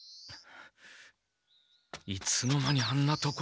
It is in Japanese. いつの間にあんなところに。